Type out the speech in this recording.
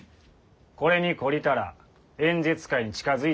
これに懲りたら演説会に近づいたらいかん。